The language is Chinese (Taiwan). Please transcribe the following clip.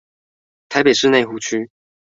台北市內湖區